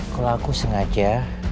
kalo aku sengaja